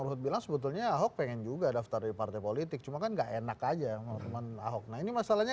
ruhut bilang sebetulnya ahok pengen juga daftar di partai politik cuma kan enak aja nah ini masalahnya